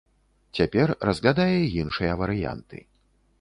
Цяпер разглядае іншыя варыянты.